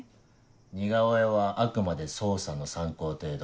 似顔絵はあくまで捜査の参考程度。